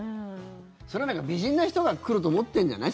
それは、美人な人が来ると思ってるんじゃない？